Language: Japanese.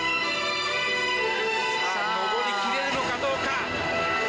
さぁ登り切れるのかどうか！